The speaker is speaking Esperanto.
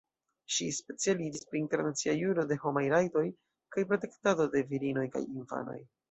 Ŝi specialiĝis pri Internacia juro de homaj rajtoj kaj protektado de virinoj kaj infanoj.